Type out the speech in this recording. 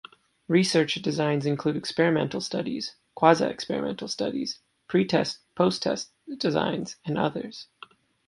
Research designs include experimental studies, quasi-experimental studies, pretest-postest designs, and others.